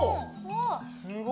すごい！